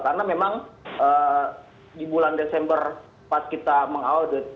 karena memang di bulan desember pas kita mengaudit